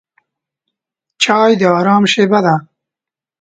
چای د آرام شېبه ده.